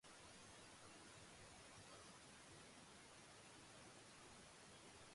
内モンゴル自治区の自治区首府はフフホトである